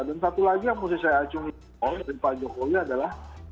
dan satu lagi yang harus saya acungi jempol dari pak jokowi adalah